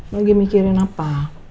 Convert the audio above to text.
lagi mikirin apa